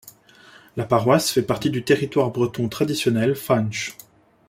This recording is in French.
La paroisse fait partie du territoire breton traditionnel Fañch.